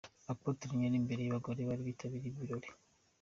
Apotre Mignone imbere y'abagore bari bitabiriye ibi birori.